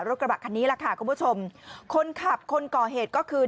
กระบะคันนี้แหละค่ะคุณผู้ชมคนขับคนก่อเหตุก็คือ